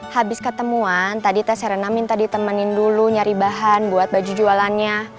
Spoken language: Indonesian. habis ketemuan tadi teh serena minta ditemenin dulu nyari bahan buat baju jualannya